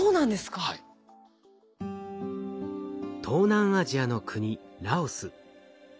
東南アジアの国ラオス。